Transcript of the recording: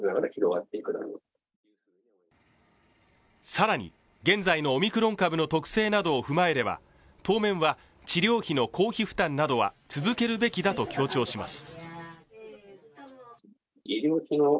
更に、現在のオミクロン株の特性などを踏まえれば、当面は治療費の公費負担などは続けるべきだと強調します。